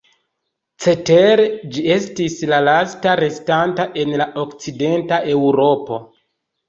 Cetere ĝi estis la lasta restanta en la Okcidenta Eŭropo.